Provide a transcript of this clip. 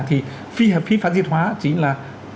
thì phí phát xít hóa